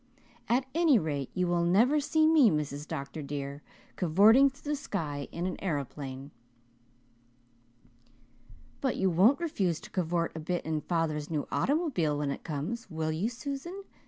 At any rate, you will never see me, Mrs. Dr. dear, cavorting through the sky in an aeroplane." "But you won't refuse to cavort a bit in father's new automobile when it comes, will you, Susan?"